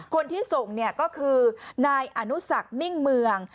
คนที่ส่งเนี่ยก็คือนายอนุสักมิ่งเมือง